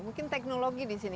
mungkin teknologi di sini